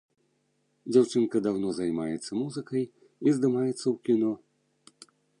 Дзяўчынка даўно займаецца музыкай і здымаецца ў кіно.